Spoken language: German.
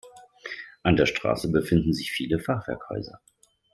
An der Straße befinden sich viele Fachwerkhäuser.